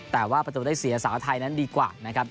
แต่ว่าประตูได้เสียสาวไทยนั้นดีกว่านะครับ